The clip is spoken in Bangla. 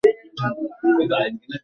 কি হচ্ছে এখানে?